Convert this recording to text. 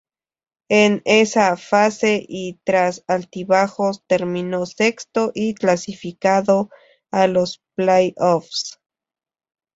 En esa fase y tras altibajos, terminó sexto y clasificado a los play-offs.